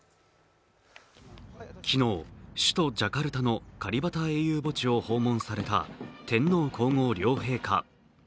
昨日、首都ジャカルタのカリバタ英雄墓地を訪問された天皇皇后両陛下。